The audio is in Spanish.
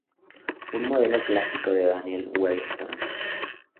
Un modelo clásico de Daniel Wellington.